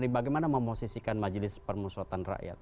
bagaimana memosisikan majelis permusatan rakyat